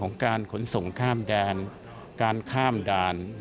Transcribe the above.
ข้ามแดนการข้ามด่าน